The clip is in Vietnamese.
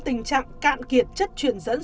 tình trạng cạn kiệt chất truyền dẫn